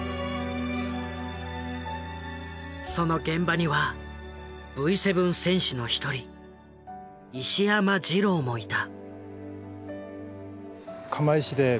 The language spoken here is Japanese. その現場にはＶ７戦士の一人石山次郎もいた。